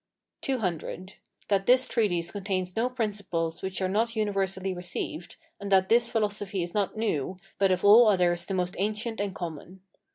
CC. That this treatise contains no principles which are not universally received; and that this philosophy is not new, but of all others the most ancient and common.